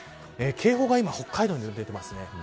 警報が今北海道にも出てますね。